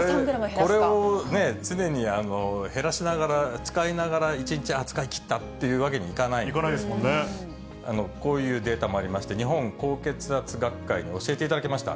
これを常に減らしながら、使いながら１日使い切ったというわけにはいかないので、こういうデータもありまして、日本高血圧学会に教えていただきました。